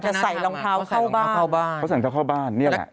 จะใส่รองเท้าเข้าบ้านเขาใส่รองเท้าเข้าบ้านนี่แหละ